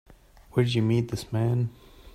Where'd you meet this man?